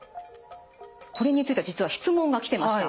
これについては実は質問が来てました。